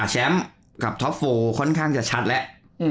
แชมป์กับท็อปโฟค่อนข้างจะชัดแล้ว